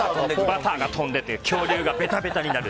バターが飛んでいって恐竜がベタベタになる。